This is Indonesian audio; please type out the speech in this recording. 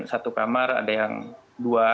satu kamar ada yang dua